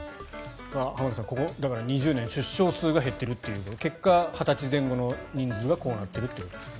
浜田さん、ここ２０年出生数が減っているという結果、２０歳前後がこうなっているということですね。